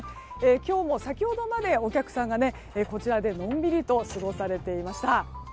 今日も先ほどまでお客さんがこちらでのんびりと過ごされていました。